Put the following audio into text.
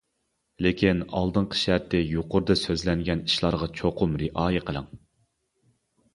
لېكىن ئالدىنقى شەرتى يۇقىرىدا سۆزلەنگەن ئىشلارغا چوقۇم رىئايە قىلىڭ.